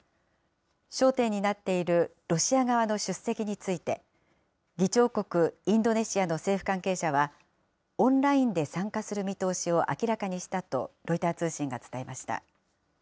焦点になっているロシア側の出席について、議長国、インドネシアの政府関係者は、オンラインで参加する見通しを明らかにしたとロイター通信が伝えました。